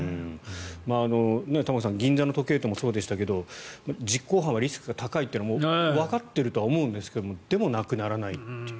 銀座の時計店もそうでしたけど実行犯はリスクが高いというのもわかっているとは思うんですがでも、なくならないという。